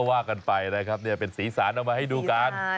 ว่ากันไปนะครับเนี่ยเป็นสีสารเอามาให้ดูกัน